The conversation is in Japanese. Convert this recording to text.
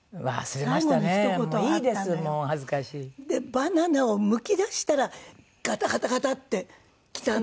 バナナをむきだしたらガタガタガタッてきたんですよ。